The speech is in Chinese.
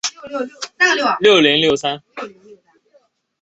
粗糙棘猛水蚤为异足猛水蚤科棘猛水蚤属的动物。